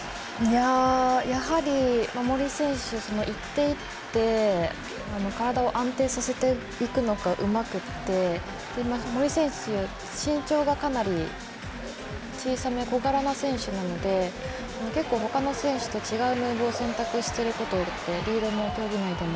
やはり森選手、一手一手体を安定させていくのがうまくて森選手、身長がかなり小さめ、小柄な選手なので結構、他の選手と違うムーブを選択していることがリードの中でも